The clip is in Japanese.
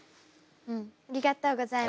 ありがとうございます。